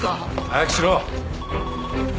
早くしろ。